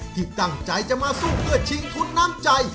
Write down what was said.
ที่ตั้งใจจะมาสู้เพื่อชิงทุนน้ำใจ